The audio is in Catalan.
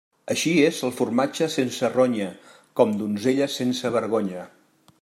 Així és el formatge sense ronya, com donzella sense vergonya.